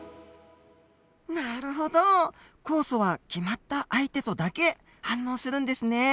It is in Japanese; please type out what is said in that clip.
なるほど酵素は決まった相手とだけ反応するんですね。